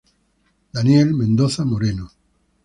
Daniel Mendoza Moreno.